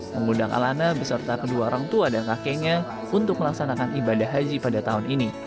mengundang alana beserta kedua orang tua dan kakeknya untuk melaksanakan ibadah haji pada tahun ini